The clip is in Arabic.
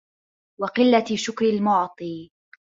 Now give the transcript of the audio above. وَقِلَّةِ شُكْرِ الْمُعْطِي